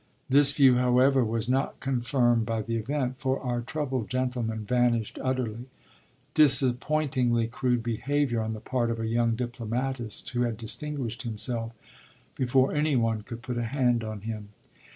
This view, however, was not confirmed by the event, for our troubled gentleman vanished utterly disappointingly crude behaviour on the part of a young diplomatist who had distinguished himself before any one could put a hand on him.